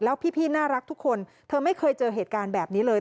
แล้วพี่น่ารักทุกคนเธอไม่เคยเจอเหตุการณ์แบบนี้เลย